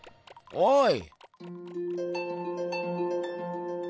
おい！